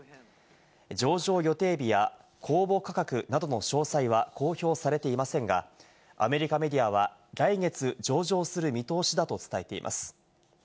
上場予定日や公募価格などの詳細は公表されていませんが、アメリカメディアは来月、上場する見通しだと伝えています。